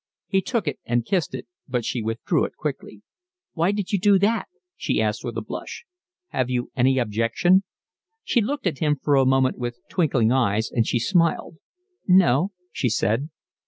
He took it and kissed it, but she withdrew it quickly. "Why did you do that?" she asked, with a blush. "Have you any objection?" She looked at him for a moment with twinkling eyes, and she smiled. "No," she said.